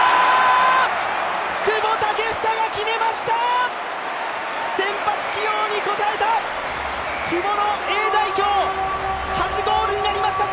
久保建英が決めました！